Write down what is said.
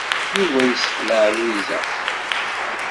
Yuba yessexleɛ Lwiza.